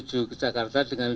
tapi kita harus tarik memori